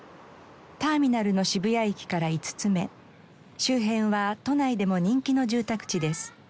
ターミナルの渋谷駅から５つ目周辺は都内でも人気の住宅地です。